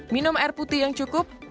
minum air putih yang cukup